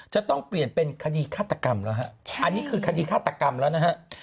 จะต้องเปลี่ยนเป็นคดีฆาตกรรมแล้วฮะอันนี้คือคดีฆาตกรรมแล้วนะฮะ